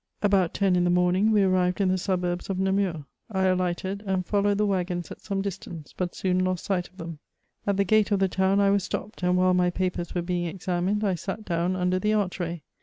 About ten in the morning we arrived in the suburbs of Namur; I alighted, and followed the waggons at some dis tance, but soon lost sight of them. At the gate of the town I i was stopped, and while my papers were being examined, I sat down under the archway.